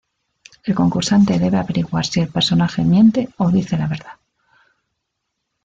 El concursante debe averiguar si el personaje miente o dice la verdad.